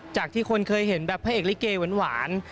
จากที่คนเคยเห็นแบบพระเอกลิเกหวาน